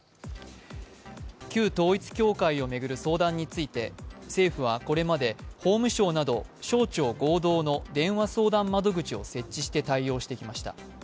旧統一教会を巡る相談について政府はこれまで法務省など省庁合同の電話相談窓口を設置して対応してきました。